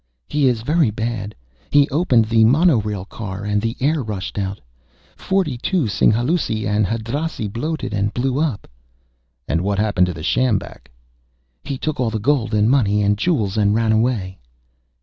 "He is very bad. He opened the monorail car and the air rushed out. Forty two Singhalûsi and Hadrasi bloated and blew up." "And what happened to the sjambak?" "He took all the gold and money and jewels and ran away."